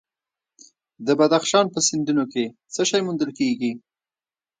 د بدخشان په سیندونو کې څه شی موندل کیږي؟